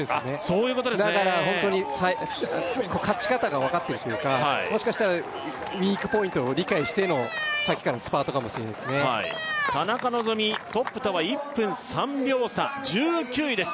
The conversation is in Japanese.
そういうことですねだからホントに勝ち方が分かってるというかもしかしたらウイークポイントを理解してのさっきからのスパートかもしれない田中希実トップとは１分３秒差１９位です